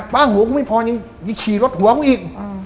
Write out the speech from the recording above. ว่างหัวกูไม่พอยังชีรถหัวกูอีก